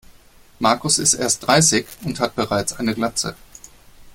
Markus ist erst dreißig und hat bereits eine Glatze.